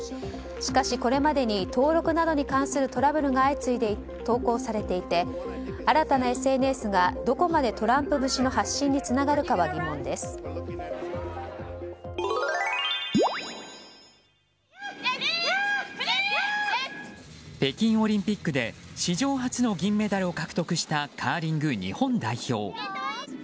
しかし、これまでに登録などに関するトラブルが相次いで投稿されていて新たなＳＮＳがどこまでトランプ節の発信に北京オリンピックで史上初の銀メダルを獲得したカーリング日本代表。